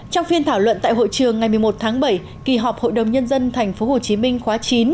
trong phiên thảo luận tại hội trường ngày một mươi một tháng bảy kỳ họp hội đồng nhân dân tp hcm khóa chín